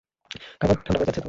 খাবার ঠাণ্ডা হয়ে যাচ্ছে তো!